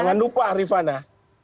jangan lupa arifana